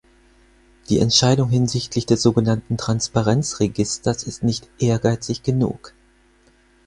Die Entscheidung hinsichtlich des sogenannten Transparenz-Registers ist nicht ehrgeizig genug.